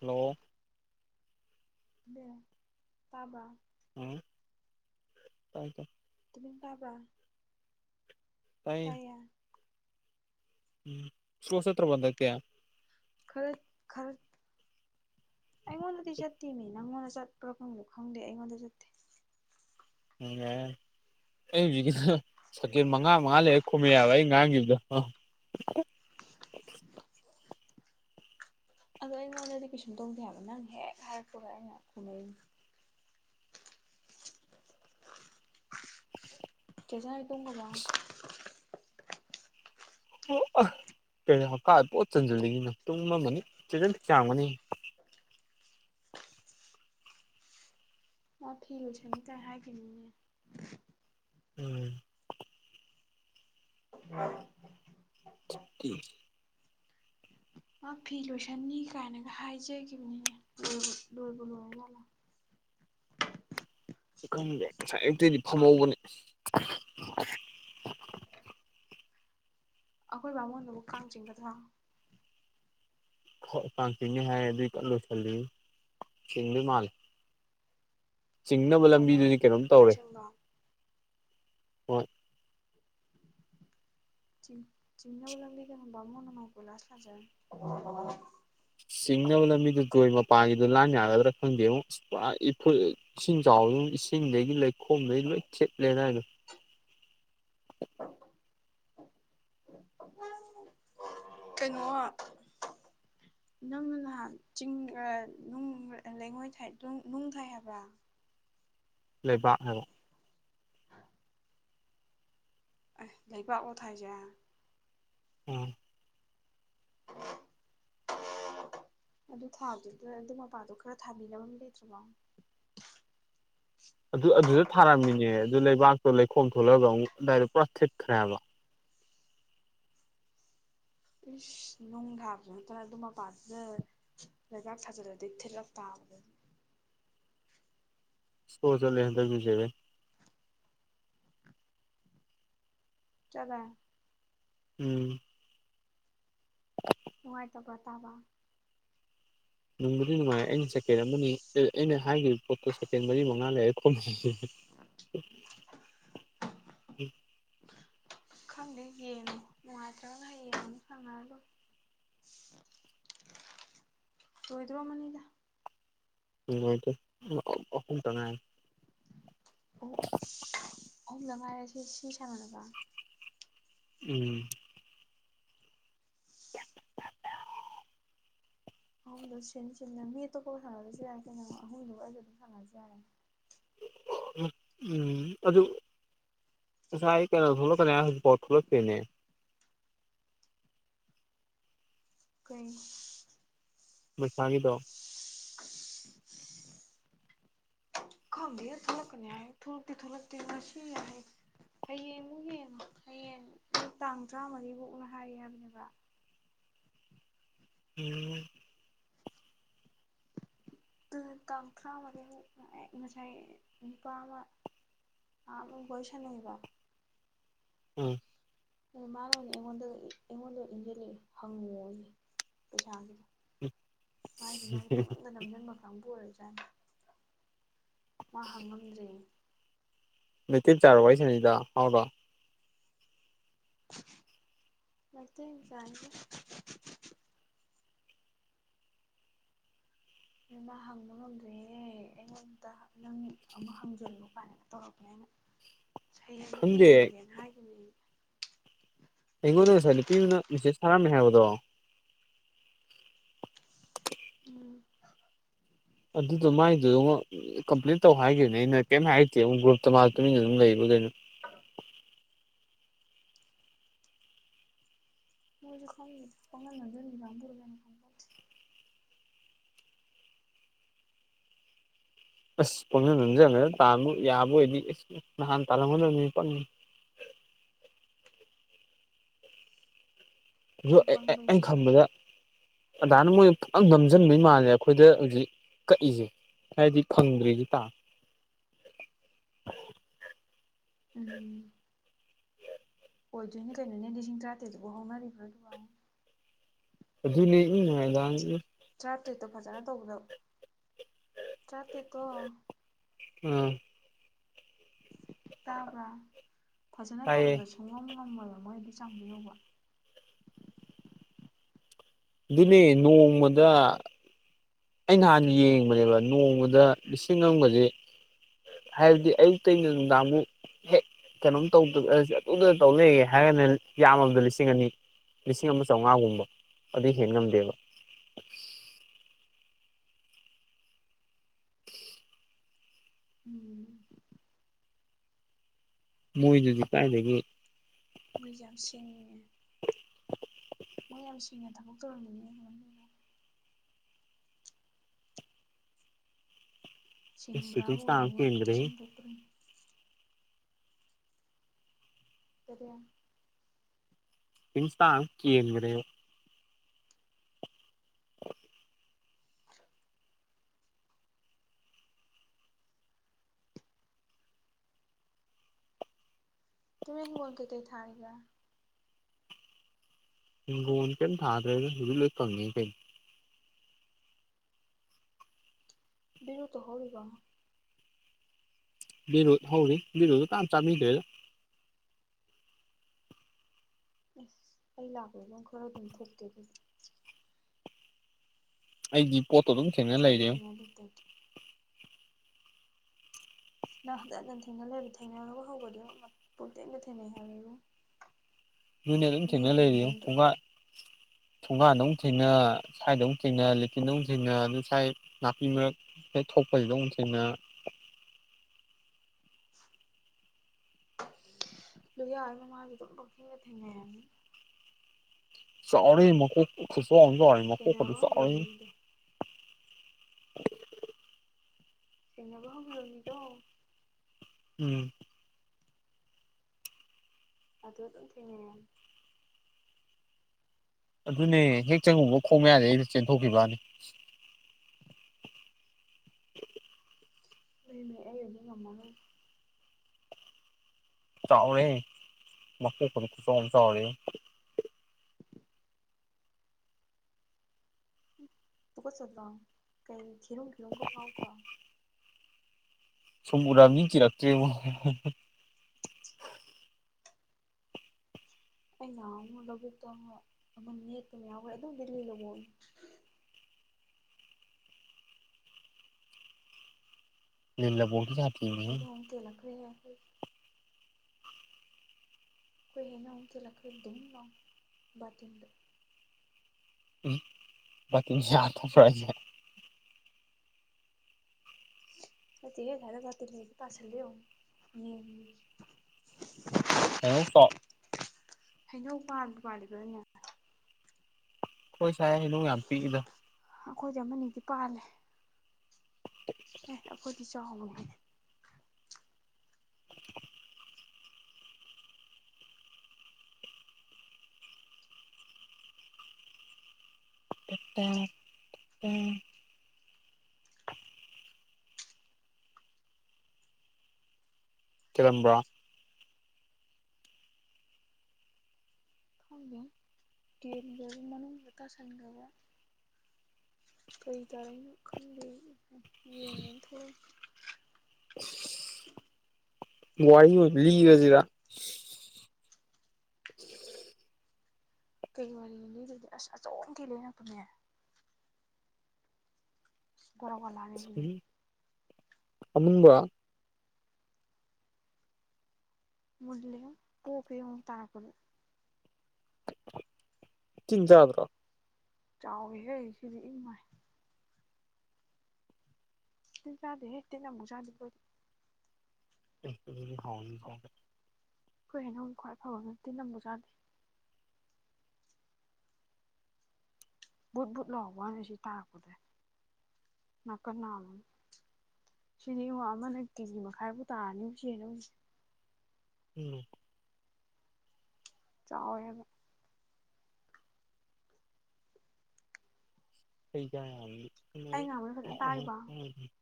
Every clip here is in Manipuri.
ꯍꯜꯂꯣ ꯇꯥꯕꯔꯣ ꯎꯝ ꯇꯥꯏ ꯇꯥꯢ ꯇꯃꯤ ꯄꯕ [inaudible] ꯇꯥꯏ ꯇꯥꯏꯌꯦ ꯢꯁꯂꯣ ꯆꯠꯇꯔꯕ ꯍꯥꯟꯗꯥꯛꯇꯤ ꯈꯔ ꯈꯔ ꯑꯩꯉꯣꯟꯗꯗꯤ ꯆꯠꯇꯦꯃꯦ ꯅꯪꯉꯣꯟꯗ ꯆꯠꯄ꯭ꯔꯥ ꯈꯪꯗꯦ ꯑꯩꯉꯣꯟꯗ ꯆꯠꯇꯦ ꯎꯝ ꯌꯥꯔꯦ ꯌꯥꯔꯦ ꯑꯩ ꯍꯧꯖꯤꯛꯀꯤꯗꯣ ꯁꯦꯀꯦꯟ ꯃꯉꯥ ꯃꯉꯥ ꯂꯩꯔ ꯈꯨꯝꯃꯦ ꯌꯥꯕ ꯑꯩ ꯉꯥꯡꯈꯤꯕꯗꯣ ꯑꯗꯣ ꯑꯩꯉꯣꯟꯗꯗꯤ ꯀꯩꯁꯨꯝ ꯇꯧꯗꯦ ꯍꯥꯏꯕ ꯅꯪ ꯍꯦꯛ ꯍꯥꯏꯔꯛꯄꯒ ꯑꯩꯅ ꯈꯨꯝꯃꯛꯢꯁꯤꯅꯤ ꯆꯦꯆꯥ ꯍꯣꯢ ꯇꯨꯝꯒꯔꯕ ꯑꯣ ꯑ ꯀꯩꯅꯣ ꯍꯥꯀꯥꯝ ꯄꯨꯡꯆꯟ ꯆꯟꯖꯟꯅꯤꯡꯉꯤꯖꯤꯅ ꯇꯨꯝꯃꯝꯃꯅꯤ ꯆꯦꯟꯖꯟ ꯌꯥꯔꯝꯒꯅꯤ ꯃꯥ ꯐꯤ ꯂꯣꯏꯁꯟꯅꯤ ꯀꯥꯏ ꯍꯥꯏꯒꯤꯕꯅꯤꯅꯦ ꯎꯝ [unintelligible] [unintelligible] ꯃꯥ ꯐꯤ ꯂꯣꯏꯁꯟꯅꯤ ꯀꯥꯏꯅꯒ ꯍꯥꯏꯖꯒꯤꯕꯤꯅꯤꯅꯦ ꯂꯣꯏꯕꯨ ꯂꯣꯏꯕꯨ ꯂꯣꯏꯔꯖꯠꯂ ꯈꯪꯗꯦ ꯉꯁꯥꯏ ꯑꯌꯨꯛꯇꯩꯗꯤ ꯀꯥꯡ ꯐꯝꯍꯧꯕꯅꯤ ꯑꯩꯈꯣꯏ ꯕꯥꯃꯣꯟꯗꯨꯕꯨ ꯀꯥꯡ ꯆꯤꯡꯒꯗ꯭ꯔꯥ ꯍꯣꯏ ꯀꯥꯡ ꯆꯤꯡꯅꯤ ꯍꯥꯏꯌꯦ ꯑꯗꯨꯏ ꯀꯟ ꯂꯣꯏꯁꯜꯂꯤ ꯆꯤꯡꯗꯣꯏ ꯃꯥꯜꯂꯦ ꯆꯤꯡꯅꯕ ꯕꯥꯃꯣꯟ ꯂꯝꯕꯤꯗꯨꯗꯤ ꯀꯩꯅꯣꯝ ꯇꯧꯔꯦ ꯂꯥꯏꯁꯪꯗꯣ ꯍꯣꯏ [inaudible] ꯆꯤꯡ ꯆꯤꯡꯅꯕ ꯂꯝꯕꯤꯗꯨꯅ ꯕꯥꯃꯣꯟꯅ ꯃꯥꯏꯅ ꯀꯣꯏꯂꯥꯁ ꯊꯥꯖꯔꯅꯤ ꯆꯤꯡꯅꯕ ꯂꯝꯕꯤꯗꯨ ꯖꯣꯏ ꯃꯄꯥꯒꯤꯗꯨ ꯂꯥꯟ ꯌꯥꯒꯗ꯭ꯔꯥ ꯈꯪꯗꯦꯉꯣ ꯄꯨꯔꯥ ꯏꯐꯨꯔꯤꯠ ꯏꯁꯤꯡ ꯆꯥꯎꯕꯗꯨꯝ ꯏꯁꯤꯡꯗꯒꯤ ꯂꯩꯈꯣꯝꯗꯒꯤ ꯂꯣꯏ ꯊꯤꯠꯂꯦ ꯑꯗꯥꯏꯗꯣ ꯀꯩꯅꯣ ꯅꯪꯅ ꯅꯍꯥꯟ ꯆꯤꯡ ꯑ ꯅꯨꯡ ꯂꯩꯉꯣꯏ ꯊꯥꯏ ꯅꯨꯡ ꯊꯥꯏ ꯍꯥꯏꯕꯥ ꯂꯩꯕꯥꯛ ꯍꯥꯏꯕ ꯍ ꯑꯩ ꯂꯩꯕꯥꯛꯂꯣ ꯊꯥꯏꯖꯦ ꯎꯝ [unintelligible] ꯑꯗꯨ ꯊꯥꯕꯗꯨꯗ ꯑꯗꯨ ꯃꯄꯥꯗꯣ ꯈꯔ ꯊꯥꯕꯤꯅꯕ ꯃꯤ ꯂꯩꯇ꯭ꯔꯕꯣ ꯑꯗꯨ ꯑꯗꯨꯗ ꯊꯥꯔꯝꯃꯤꯅꯦ ꯑꯗꯨ ꯂꯩꯕꯥꯛꯇꯣ ꯂꯩꯈꯣꯝ ꯊꯣꯛꯂꯛꯑꯒ ꯑꯃꯨꯛ ꯑꯗꯥꯏꯗꯣ ꯄꯨꯔꯥ ꯊꯤꯠꯈ꯭ꯔꯦ ꯍꯥꯏꯕ ꯏꯁ ꯅꯨꯡ ꯊꯥꯕꯖꯨ ꯅꯠꯇꯅ ꯑꯗꯨ ꯃꯄꯥꯗꯨꯗ ꯂꯩꯕꯥꯛ ꯊꯥꯖꯤꯜꯂꯗꯤ ꯊꯤꯜꯂꯛꯇꯥꯕꯅꯤ ꯁ꯭ꯂꯣ ꯆꯠꯂꯦ ꯍꯟꯗꯛꯀꯤꯖꯦ ꯏꯕꯦ ꯆꯠꯂꯦ ꯎꯝ ꯅꯨꯡꯉꯥꯏꯇꯕ꯭ꯔꯥ ꯇꯥꯕ ꯅꯨꯡꯕꯨꯗꯤ ꯅꯨꯡꯉꯥꯏ ꯑꯩꯅ ꯁꯦꯀꯦꯟ ꯑꯃꯅꯤ ꯑꯩꯅ ꯍꯥꯏꯒꯤꯕ ꯄꯣꯠꯇꯣ ꯁꯦꯀꯦꯟ ꯃꯔꯤ ꯃꯉꯥ ꯂꯩꯔꯒꯥ ꯈꯨꯝꯃꯛꯑꯦꯁꯤꯗꯤ [unintelligible] ꯈꯪꯗꯦ ꯌꯦꯡꯉꯣ ꯅꯨꯡꯉꯥꯏꯇ꯭ꯔꯒꯅ ꯍꯌꯦꯡ ꯑꯃꯨꯛ ꯁꯥꯅꯔ ꯂꯣꯏ ꯂꯣꯏꯗꯣꯔꯝꯃꯅꯤꯗ ꯂꯣꯏꯗꯧꯔꯦ ꯑꯍꯨꯝ ꯑꯍꯨꯝꯇꯪ ꯉꯥꯏꯔꯦ ꯑꯣ ꯑꯍꯨꯝꯗꯪ ꯉꯥꯏꯔꯦ ꯁꯤ ꯁꯤ ꯁꯥꯟꯅꯔꯒ ꯎꯝ ꯑꯍꯨꯝꯗꯣ ꯁꯤꯟ ꯁꯤꯟꯗꯅ ꯃꯤ ꯑꯇꯣꯞꯄꯒ ꯁꯟꯅꯥꯕꯖꯨ ꯌꯥꯏ ꯀꯩꯅꯣ ꯑꯍꯨꯝꯗꯨꯒ ꯑꯩꯒꯥ ꯑꯗꯨꯝ ꯁꯥꯅꯔꯁꯨ ꯌꯥꯔꯦ ꯎꯝ ꯑꯗꯨ ꯉꯁꯥꯏ ꯀꯩꯩꯅꯣ ꯊꯣꯛꯂꯛ ꯊꯣꯛꯂꯛꯀꯅꯤ ꯍꯥꯏꯔꯒ ꯍꯧꯖꯤꯛꯐꯥꯎ ꯊꯣꯛꯂꯛꯇꯦꯅꯦ ꯀꯩ ꯃꯨꯠꯄꯥꯒꯤꯗꯣ [unintelligible] ꯈꯪꯗꯦ ꯊꯣꯛꯂꯛꯀꯅꯤ ꯍꯥꯏ ꯊꯣꯛꯂꯛꯇꯤ ꯊꯣꯛꯂꯛꯇꯦ ꯉꯁꯤ ꯍꯌꯦꯡ ꯍꯌꯦꯡꯃꯨꯛ ꯌꯦꯡꯉꯣ ꯍꯌꯦꯡ ꯇꯥꯡ ꯇꯔꯥꯃꯔꯤꯕꯨꯛꯅ ꯍꯥꯏ ꯍꯥꯏꯕꯅꯦꯕ ꯎꯝ ꯑꯗꯨꯅꯦ ꯇꯥꯡ ꯇꯔꯥꯃꯔꯤꯃꯨꯛ ꯉꯁꯥꯏ ꯅꯨꯄꯥ ꯑꯃ ꯥ ꯅꯍꯥꯟꯃꯨꯛ ꯋꯥꯔꯤ ꯁꯥꯟꯅꯩꯕꯥ ꯎꯝ ꯃꯥꯅ ꯑꯣꯏꯅꯥ ꯑꯩꯉꯣꯟꯗꯒ ꯑꯩꯉꯣꯟꯗ ꯏꯟꯖꯤꯜꯂꯛꯑꯦ ꯍꯪꯉꯣꯌꯦ ꯄꯩꯁꯥꯒꯤꯗꯣ ꯃꯥꯏꯖꯨ ꯃꯥꯏꯖꯨ ꯄꯡꯅꯝꯗ ꯅꯝꯖꯟꯕ ꯀꯥꯡꯕꯨ ꯑꯣꯏꯖꯥꯠꯅꯤ ꯃꯥ ꯍꯪꯉꯝꯗ꯭ꯔꯦ ꯃꯩꯇꯦꯌꯝꯆꯥꯔꯣ ꯋꯥꯔꯤ ꯁꯥꯅꯩꯗꯣ ꯍꯥꯎꯔꯣ ꯃꯩꯇꯩ ꯃꯆꯥꯅꯤꯗ ꯑꯗꯨ ꯃꯥ ꯍꯪꯕ ꯉꯝꯗ꯭ꯔꯦꯌꯦ ꯑꯩꯉꯣꯟꯗ ꯅꯪ ꯑꯃꯨꯛ ꯍꯪꯖꯜꯂꯨ ꯀꯥꯏꯅꯒ ꯇꯧꯔꯛꯄꯅꯦ ꯑꯩꯅ [unintelligible] ꯁꯌꯦꯡ ꯈꯪꯗꯦ ꯌꯦꯡꯉꯒꯦꯅ ꯍꯥꯏꯈꯤꯕꯅꯦ ꯑꯩ ꯑꯩꯉꯣꯟꯗ ꯉꯁꯥꯏ ꯅꯨꯄꯤ ꯑꯃꯅ ꯃꯦꯁꯦꯁ ꯊꯥꯔꯝꯃꯦ ꯍꯥꯏꯕꯗꯣ ꯎꯝ ꯑꯗꯨꯗꯣ ꯃꯥꯏꯗꯨ ꯑꯃ ꯀꯝꯄ꯭ꯂꯤꯠ ꯇꯧ ꯍꯥꯏꯈꯤꯕꯅꯦ ꯑꯩꯅ ꯀꯩꯝꯇ ꯍꯥꯏꯇꯦ ꯑꯃꯨꯛ ꯒ꯭ꯔꯨꯞꯇ ꯃꯥ ꯇꯨꯃꯤꯟꯅ ꯑꯗꯨꯝ ꯂꯩꯕ꯭ꯔ ꯀꯩꯅꯣ ꯃꯣꯏꯁꯨ ꯈꯪꯗꯦꯗꯥ ꯄꯪꯅꯝ ꯅꯝꯖꯟꯕꯤ ꯀꯥꯡꯕꯨꯔ ꯀꯩꯅꯣ ꯈꯪꯄꯣꯠꯇꯦ ꯑꯁ ꯄꯪꯅꯝ ꯅꯝꯖꯟꯅꯔ ꯇꯥꯟꯕ ꯌꯥꯕ ꯑꯣꯏꯗꯤ ꯑꯁ ꯅꯍꯥꯟ ꯇꯥꯂꯝꯒꯗꯕꯅꯤ ꯄꯪꯉꯦ ꯑꯗꯨ ꯑꯩꯈꯣꯏ ꯑꯦ ꯑꯦ ꯑꯩꯅ ꯄꯪꯕꯩꯅꯤꯗꯅ ꯈꯟꯕꯗ ꯑꯗꯥꯏꯅ ꯃꯣꯏꯅ ꯄꯨꯡꯅꯝ ꯅꯝꯖꯤꯟꯕꯩ ꯃꯥꯜꯂꯦ ꯑꯩꯈꯣꯏꯗ ꯍꯧꯖꯤꯛ ꯀꯛꯏꯁꯦ ꯍꯥꯏꯗꯤ ꯄꯪꯗ꯭ꯔꯤꯁꯤꯇꯥ ꯎꯝ ꯑꯣꯏꯗꯣꯏꯅꯦ ꯀꯩꯅꯣꯅꯦ ꯂꯤꯁꯤꯡ ꯇꯔꯥꯇꯔꯦꯠꯇꯨꯕꯨ ꯍꯧꯅꯔꯤꯕ꯭ꯔꯥ ꯑꯗꯨꯕꯨ [unintelligible] ꯇꯔꯥꯇꯔꯦꯠꯇꯣ ꯐꯖꯅ ꯇꯧꯕꯥꯗ ꯇꯔꯥꯇꯔꯦꯠꯇꯣ ꯎꯝ ꯇꯥꯕ꯭ꯔꯥ ꯐꯖꯅ ꯇꯥꯏꯌꯦ ꯇꯧꯕꯗ ꯁꯨꯡꯉꯝ ꯉꯝꯃꯣꯏꯕ ꯃꯣꯏ ꯑꯗꯨ ꯆꯥꯡꯗꯣ ꯌꯧꯕ ꯑꯗꯨꯅꯦ ꯅꯣꯡꯃꯗ ꯑꯩ ꯅꯍꯥꯟ ꯌꯦꯡꯕꯅꯦꯕ ꯅꯣꯡꯃꯗ ꯂꯤꯁꯤꯡ ꯑꯃꯒꯁꯦ ꯍꯥꯏꯕꯗꯤ ꯑꯌꯨꯛꯇꯩꯅ ꯅꯨꯡꯗꯥꯡꯃꯨꯛ ꯍꯦꯛ ꯀꯩꯅꯣꯝ ꯇꯧꯗ ꯑꯩꯁ ꯑꯗꯨꯗ ꯇꯧ ꯂꯩꯌꯦ ꯍꯥꯏꯔꯒꯅ ꯌꯥꯝꯃꯕꯗ ꯂꯤꯁꯤꯡ ꯑꯅꯤ ꯂꯤꯁꯤꯡ ꯑꯃ ꯆꯥꯝꯃꯉꯥꯒꯨꯝꯕ ꯑꯗꯨ ꯍꯦꯟ ꯉꯝꯗꯦꯕ ꯎꯝ ꯃꯣꯏꯗꯨꯗꯤ ꯀꯥꯏꯗꯒꯤ ꯃꯣꯏꯁꯦ ꯌꯥꯝ ꯁꯤꯡꯉꯦ ꯃꯣꯏ ꯌꯥꯝ ꯁꯤꯡꯅ ꯊꯕꯛ ꯇꯧꯔꯝꯃꯤꯅꯦ ꯃꯣꯏ ꯑꯁ ꯁꯨꯇꯤꯡ ꯁꯤꯟꯕ꯭ꯔꯥꯕꯣ ꯏꯁꯇꯥꯔ ꯑꯃ ꯍꯧꯖꯤꯛ ꯀꯦꯟꯈ꯭ꯔꯦꯍꯦ ꯇꯁꯦꯡ ꯇꯣꯛꯇꯔꯤꯝ [unintelligible] [unintelligible] ꯀꯦꯟꯒꯔꯦꯕ ꯑꯣ [inaudible] ꯇꯨꯃꯤ ꯍꯤꯡꯒꯣꯜ ꯀꯩꯀꯩ ꯊꯥꯔꯤꯒꯦ ꯍꯤꯡꯒꯣꯟ ꯀꯦꯝ ꯊꯥꯗ꯭ꯔꯦꯗ ꯍꯧꯖꯤꯛ ꯂꯣꯏ ꯀꯪꯉꯦ ꯀꯩꯅ ꯕꯤꯔꯨꯇꯣ ꯍꯣꯠꯂꯤꯕꯣ ꯕꯤꯔꯨꯠ ꯍꯧꯔꯤ ꯕꯤꯔꯨꯗꯨ ꯀꯅꯥꯝ ꯆꯥꯕꯤꯗ꯭ꯔꯦꯗ ꯑꯦꯁ ꯑꯩ ꯂꯥꯛꯄꯗ ꯑꯗꯨ ꯈꯔ ꯑꯗꯨꯝ ꯊꯣꯛꯀꯦ ꯑꯗꯨꯗꯤ ꯑꯩꯗꯤ ꯄꯣꯠꯇꯣ ꯑꯗꯨꯝ ꯊꯦꯡꯅ ꯂꯩꯔꯦ ꯑꯗꯨ ꯇ ꯅꯪ ꯍꯟꯖꯟꯖꯟ ꯊꯦꯡꯅ ꯂꯩꯔꯕ ꯊꯦꯡꯅꯔꯒ ꯍꯧꯒꯗꯤ ꯄꯨꯨꯡ ꯊꯦꯡꯗ ꯊꯦꯡꯅꯩ ꯍꯥꯏꯕꯅꯦ ꯏꯕꯨꯉꯣ ꯗꯨꯅꯦ ꯑꯗꯨꯝ ꯊꯦꯡꯅ ꯂꯩꯔꯤ ꯊꯣꯡꯒꯥꯟ ꯊꯨꯡꯒꯥꯟꯗ ꯑꯃꯨꯛ ꯊꯦꯡꯅ ꯁ꯭ꯋꯥꯏꯗ ꯑꯃꯨꯛ ꯊꯦꯡꯅ ꯂꯤꯇꯤꯟꯗ ꯑꯃꯨꯛ ꯊꯦꯡꯅ ꯑꯗꯨ ꯁꯥꯏ ꯅꯥꯄꯤꯃꯔꯛ ꯍꯦꯛ ꯊꯣꯛꯄꯁꯤꯗ ꯑꯃꯨꯛ ꯊꯦꯡꯅ ꯂꯨꯌꯥ ꯍꯣꯏ ꯃꯃꯥꯡꯒꯤꯗꯣ ꯄꯪꯊꯦꯡꯗ ꯊꯦꯡꯅꯩ ꯍꯥꯏꯕꯅꯦ ꯆꯥꯎꯔꯦ ꯃꯀꯣꯛ ꯈꯨꯆꯥꯎ ꯑꯃ ꯆꯥꯎꯔꯦ ꯃꯀꯣꯛꯀꯗꯣ ꯊꯦꯡꯅꯕ ꯍꯧꯈꯤꯕ ꯆꯥꯎꯔꯦ ꯃꯤꯗꯣ ꯊꯦꯡꯅꯦꯕ ꯍꯧꯈ꯭ꯔꯕ ꯃꯤꯗꯣ ꯎꯝ ꯑꯗꯨ ꯑꯗꯨꯝ ꯊꯦꯡꯅꯩ ꯍꯥꯏꯝ ꯑꯗꯨꯅꯦ ꯍꯦꯛ ꯆꯪꯉꯨꯕ ꯈꯣꯡ ꯃꯌꯥꯗꯩ ꯑꯩꯩꯅ ꯆꯦꯟꯊꯣꯛꯈꯤꯕꯅꯤ ꯂꯩꯅꯦ ꯑꯩ ꯑꯗꯨꯗꯤ ꯉꯝꯃꯒꯣꯏ ꯆꯥꯎꯔꯦ ꯃꯩ ꯐ ꯈꯨ ꯆꯥꯎꯣꯡ ꯑꯃ ꯆꯥꯎꯔꯦ ꯇ ꯀ ꯆꯗ꯭ꯔ ꯀꯥꯏ ꯈꯦꯔ ꯈꯦꯔꯨ ꯀ ꯄꯥꯎ ꯇ ꯁꯃꯨꯔꯥꯝꯅꯤ ꯀ ꯔꯇ꯭ꯔꯔꯤꯕ ꯑꯩ ꯌꯥꯉꯨ ꯂꯧꯕꯨꯛꯇ ꯑꯃ ꯅꯦꯄꯅ ꯌꯥꯎꯈꯦ ꯑꯗꯨꯝ ꯗꯤꯜꯂꯤ ꯂꯧꯕꯣꯛ [inaudible] ꯑꯩꯌꯡ ꯑꯃꯨꯛ ꯀꯂꯛꯈ꯭ꯔꯦ ꯌꯥ ꯑꯩꯣꯏ ꯍꯅ ꯀ ꯂꯛꯔꯤ ꯗꯕ ꯇꯗ ꯎꯝ ꯌꯥ ꯊ꯭ꯔꯦ ꯍ ꯊꯤ ꯈꯔ ꯔꯇ ꯂꯩ ꯇꯥꯁ ꯂꯩꯝ [unintelligible] ꯍꯩꯅꯧ ꯄꯥꯂ ꯄꯥꯜꯂꯤꯗꯣꯏꯅꯦ ꯍꯣꯏ ꯁꯌꯦ ꯏ ꯌꯥꯝꯄꯤꯗ ꯑꯩꯈꯣꯏꯗꯤ ꯑꯃꯅꯤꯗꯤ ꯄꯥꯜꯂꯦ ꯑꯦ ꯑꯩꯈꯣꯏꯗꯤ ꯆꯥꯎꯥꯛꯍ [unintelligible] [unintelligible] ꯀꯤꯂꯝꯕ꯭ꯔꯥ ꯊꯦ ꯗꯔ ꯃꯅꯕ ꯇ ꯁꯥꯏꯒꯕ ꯀꯔꯤ ꯇꯔꯦꯅꯣ ꯈꯪꯗꯦ ꯌꯦꯡꯅꯦꯅ ꯊꯣꯛꯑ ꯋꯥꯔꯤ ꯑꯣꯏꯕꯤ ꯂꯤꯔꯁꯤꯗ [inaudible] ꯀꯩ ꯋꯥꯔꯤꯅꯤꯗꯨꯗꯤ ꯑꯁ ꯑꯆꯣꯝꯗꯤ ꯂꯩꯔꯛꯄꯅꯦ [unintelligible] ꯎꯝ ꯑꯃꯨꯡꯕ ꯎ ꯄꯣꯀ ꯇꯥꯀꯣ ꯆꯤꯟꯖꯥꯗ꯭ꯔꯣ ꯆꯥꯎꯋꯤꯍꯦ ꯁꯤꯗꯤ ꯏꯃꯥꯏ ꯗꯦꯇꯗꯤꯅ ꯃꯨꯖꯥꯗꯕꯗꯤ ꯗꯤ ꯍꯥꯎ ꯐꯥꯎ ꯑꯩꯈꯣꯏ ꯍꯩꯅꯉ ꯈ꯭ꯋꯥꯏ ꯐꯕ ꯅꯠꯇꯦ ꯅꯝꯕꯁꯨꯖꯥꯗꯦ ꯕꯨꯠ ꯕꯨꯠ ꯂꯥꯛꯕ ꯍꯥꯏꯅꯁꯤ ꯇꯥꯔꯛꯄꯗ ꯅꯥꯀꯟ ꯅꯥꯍ ꯁꯤꯅꯦ ꯏꯨ ꯑꯃꯅ ꯀꯦꯖꯤ ꯃꯈꯥꯏꯐꯥꯎ ꯇꯥꯔꯅꯤꯕꯨ ꯆꯦꯅꯁꯦ ꯎꯝ ꯆꯥꯎꯋꯦꯕ ꯑꯩ ꯉꯥꯡꯕꯗꯣ ꯐꯖꯅ ꯇꯥꯔꯤꯕ [unintelligible]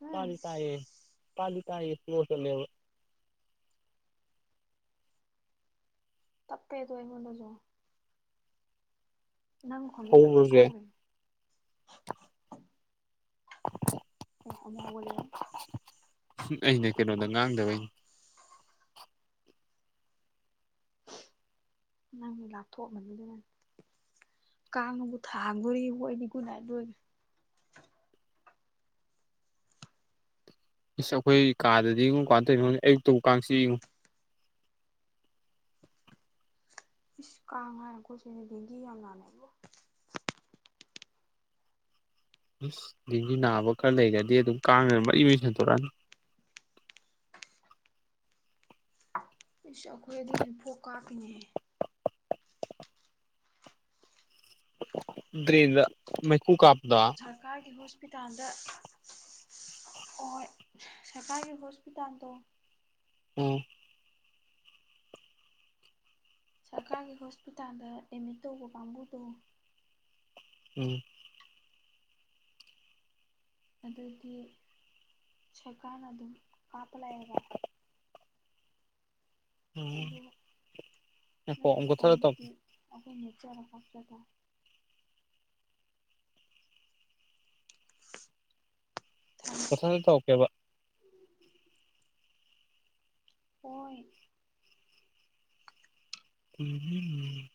ꯎꯝ ꯄꯥꯂꯤ ꯇꯥꯏꯌꯦ ꯄꯥꯂꯤ ꯇꯥꯏ ꯁꯣꯁ ꯂꯩꯕ ꯇꯄꯦꯗꯏ ꯃꯖ ꯅꯪ ꯈꯣꯟꯖꯦ ꯂꯣꯏ ꯍꯧꯕꯁꯦ ꯇꯞꯊꯈ꯭ꯔꯦ ꯑꯣ ꯑꯩ ꯑꯃꯒ ꯂꯩ ꯑꯩꯅ ꯀꯩꯅꯣꯗ ꯉꯥꯡꯗꯕꯩꯅꯤ ꯅꯪꯅꯦ ꯂꯥꯞꯊꯣꯛꯑꯝꯃꯅꯤꯗ ꯅꯪ ꯀꯥꯡꯅꯕꯨ ꯊꯥꯡꯈꯣꯔꯤ ꯍꯣꯏꯅꯤꯒꯨꯗꯥꯗꯣꯏ ꯏꯁ ꯑꯩꯈꯣꯏ ꯀꯥꯗꯗꯤꯡꯉꯨ ꯀꯥꯟꯧꯣꯏꯅꯣ ꯑꯌꯨꯛꯇꯕꯨ ꯀꯥꯡꯁꯤ ꯌꯦꯡꯉꯨ ꯏꯁ ꯀꯥꯡ ꯍꯥꯏꯔꯀꯣꯠꯁꯤꯗꯤ ꯚꯦꯡꯗꯤ ꯌꯥꯝ ꯂꯥꯟꯅꯩꯕꯣ ꯏꯁ ꯦꯡꯁꯨꯨ ꯅꯥꯕ ꯈꯔ ꯂꯩꯔꯗꯤ ꯑꯗꯨꯝ ꯀꯥꯡꯅ ꯑꯗꯨꯝ ꯃꯔꯔꯤ ꯂ ꯁꯟꯗꯣꯔꯛꯑꯅꯤ ꯑꯩꯁ ꯑꯩꯈꯣꯏ ꯑꯗꯤ ꯍꯧꯁꯨ ꯐꯣꯛ ꯀꯥꯇꯅꯦꯍꯦ ꯗ꯭ꯔꯦꯗ ꯃꯦꯛꯈꯨ ꯀꯥꯄꯗꯥ ꯁꯔꯀꯥꯔꯒꯤ ꯍꯣꯁꯄꯤꯇꯥꯜꯗ ꯍ ꯁꯔꯀꯥꯔꯒꯤ ꯍꯣꯁꯄꯤꯇꯥꯜꯗꯣ ꯎꯝ ꯁꯔꯀꯥꯔꯒꯤ ꯍꯣꯁꯄꯤꯇꯥꯜꯗ ꯑꯦꯗꯃꯤꯠ ꯇꯧꯕ ꯀꯥꯡꯕꯨꯗꯣ ꯎꯝ ꯑꯗꯨꯗꯤ ꯁꯔꯀꯥꯔꯅ ꯑꯗꯨꯝ ꯀꯥꯞꯄ ꯂꯥꯛꯑꯦꯕ ꯎꯝ ꯑꯗꯨ ꯉꯥꯏꯈꯣ ꯑꯃꯨꯛ ꯅꯠꯇꯕ ꯀꯛꯊꯠꯂ ꯇꯧꯔꯛꯀꯦ ꯀꯥꯡꯕꯨꯗꯤ ꯑꯩꯈꯣꯏꯅ ꯅ ꯍꯦꯛꯆꯔ ꯄꯣꯛꯆ ꯇꯔꯦ ꯊꯦꯡ ꯄꯊꯗ ꯇꯧꯔꯛꯀꯦꯕ ꯑꯣꯏꯣꯏ ꯎꯝ